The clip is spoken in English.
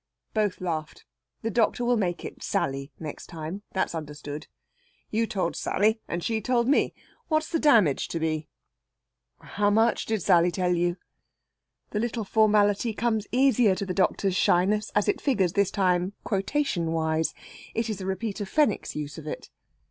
Both laughed. The doctor will make it Sally next time that's understood. "You told Sally and she told me. What's the damage to be?" "How much did Sally tell you?" The little formality comes easier to the doctor's shyness as it figures, this time, quotation wise. It is a repeat of Fenwick's use of it.